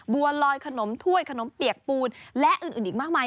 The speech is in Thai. บัวลอยขนมถ้วยขนมเปียกปูนและอื่นอีกมากมาย